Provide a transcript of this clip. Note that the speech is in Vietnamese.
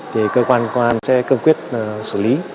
thì cơ quan công an sẽ cương quyết xử lý